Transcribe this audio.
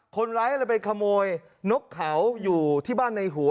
คนร้ายเลยไปขโมยนกเขาอยู่ที่บ้านในหัว